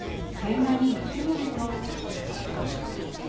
あれかもしれない。